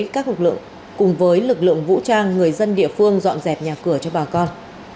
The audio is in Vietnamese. các lực lượng cùng với lực lượng vũ trang người dân địa phương dọn dẹp nhà cửa cho bà con